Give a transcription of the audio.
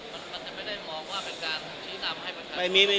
มันจะไม่ได้มองว่าเป็นการชี้นำให้ประชาชน